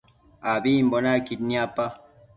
Ambimbo naquid niapa